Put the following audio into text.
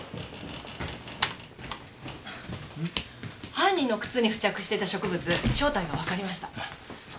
犯人の靴に付着してた植物正体がわかりました。